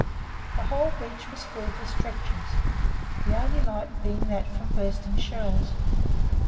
The whole beach was filled with stretchers, the only light being that from bursting shells.